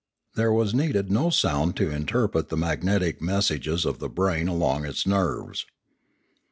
There was needed no sound to interpret the magnetic messages of the brain along its nerves.